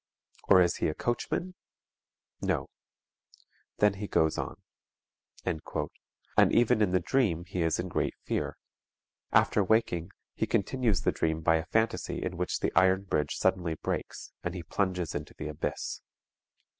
Or is he a coachman? No. Then he goes on,_" and even in the dream he is in great fear. After waking he continues the dream by a phantasy in which the iron bridge suddenly breaks, and he plunges into the abyss.